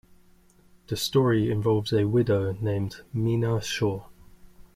The story involves a widow named Minna Shaw.